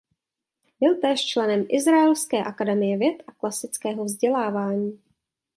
Byl též členem Izraelské akademie věd a klasického vzdělávání.